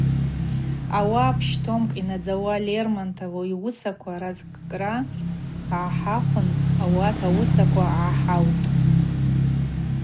Ауаъа пщтомкӏ йнадзауа Лермонтов йуысаква разкӏкӏра гӏахӏахвын ауат ауысаква гӏахӏаутӏ.